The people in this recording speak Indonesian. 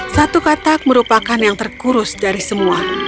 satu katak merupakan yang terkurus dari semua